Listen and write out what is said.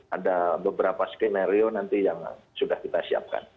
ada beberapa skenario nanti yang sudah kita siapkan